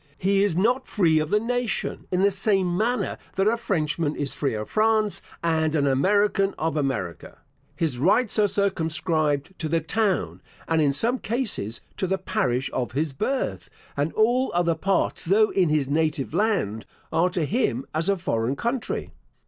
He is not free of the nation, in the same manner that a Frenchman is free of France, and an American of America. His rights are circumscribed to the town, and, in some cases, to the parish of his birth; and all other parts, though in his native land, are to him as a foreign country.